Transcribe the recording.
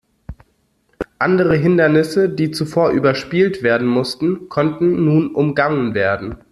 Andere Hindernisse, die zuvor überspielt werden mussten, konnten nun umgangen werden.